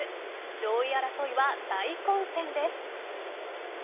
上位争いは大混戦です。